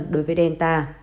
đối với delta